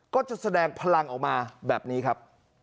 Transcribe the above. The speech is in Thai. ก็จะแสดงพลังออกมาแบบนี้ครับ